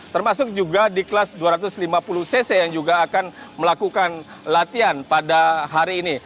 termasuk juga di kelas dua ratus lima puluh cc yang juga akan melakukan latihan pada hari ini